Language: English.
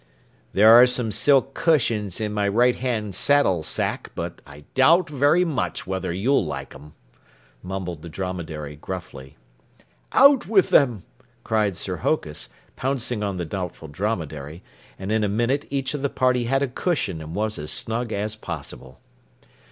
"There are some silk cushions in my right hand saddle sack, but I doubt very much whether you'll like 'em," mumbled the Dromedary gruffly. "Out with them!" cried Sir Hokus, pouncing on the Doubtful Dromedary, and in a minute each of the party had a cushion and was as snug as possible.